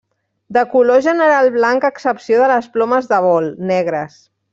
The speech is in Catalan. De color general blanc a excepció de les plomes de vol, negres.